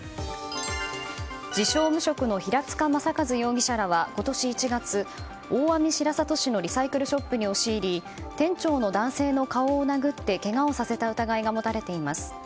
自称無職の平塚雅一容疑者らは今年１月大網白里市のリサイクルショップに押し入り店長の男性の顔を殴ってけがをさせた疑いが持たれています。